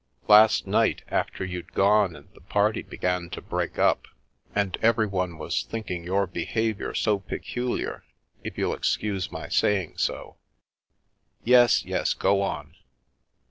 Last night, after you'd gone and the party began to break up, and everyone was thinking your behaviour so peculiar, if you'll excuse my saying so——" " Yes, yes, go on."